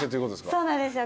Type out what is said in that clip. そうなんですよ。